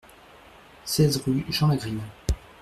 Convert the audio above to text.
seize rue Jean Lagrive